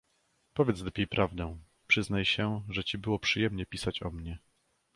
"Powiedz lepiej prawdę... Przyznaj się, że ci było przyjemnie pisać o mnie..."